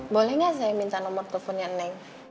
boleh nggak saya minta nomor teleponnya neng